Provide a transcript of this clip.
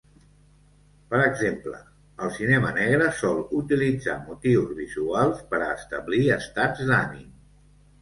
Per exemple, el cinema negre sol utilitzar motius visuals per a establir estats d'ànim.